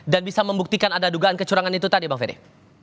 dan bisa membuktikan ada dugaan kecurangan itu tadi bang ferry